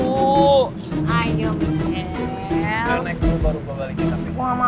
udah naik dulu baru gue balikin api